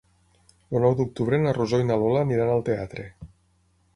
El nou d'octubre na Rosó i na Lola iran al teatre.